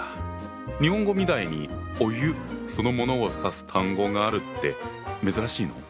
日本語みたいにお湯そのものを指す単語があるって珍しいの？